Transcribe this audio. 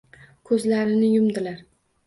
Ko’zlarini yumdilar.